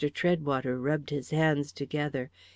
Treadwater rubbed his hands together.